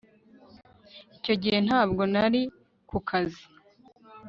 icyo gihe ntabwo nari ku kazi